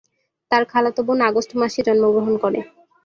তার খালাতো বোন আগস্ট মাসে জন্মগ্রহণ করে।